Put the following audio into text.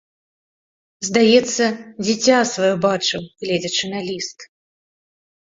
Здаецца, дзіця сваё бачу, гледзячы на ліст.